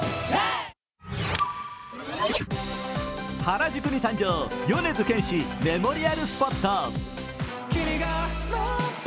原宿に誕生、米津玄師メモリアルスポット。